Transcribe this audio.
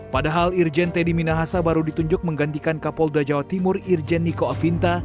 padahal irjen teddy minahasa baru ditunjuk menggantikan kapolda jawa timur irjen niko afinta